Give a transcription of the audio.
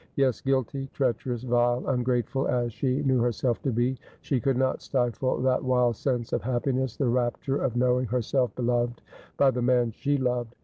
Yes ; guilty, treacherous, vile, ungrateful as she knew herself to be, she could not stifle that wild sense of happiness, the rapture of knowing herself beloved by the man she loved.